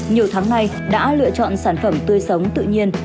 nhiều tháng nay đã lựa chọn sản phẩm tươi sống tự nhiên